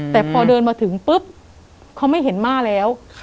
แต่พอเดินมาถึงปุ๊บเขาไม่เห็นม่าแล้ว